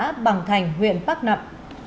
bạc nằm xã bằng thành huyện bắc nằm